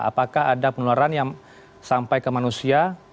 apakah ada penularan yang sampai ke manusia